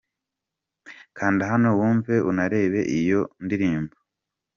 Kanda hano wumve unarebe iyo ndirimbo.